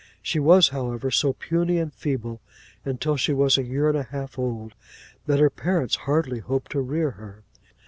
She was, however, so puny and feeble until she was a year and a half old, that her parents hardly hoped to rear her.